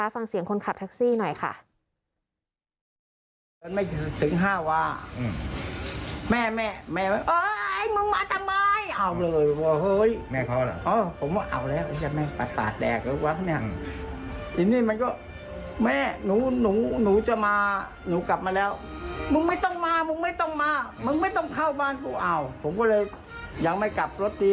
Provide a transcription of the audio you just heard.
ฟังเสียงคนขับแท็กซี่หน่อยค่ะ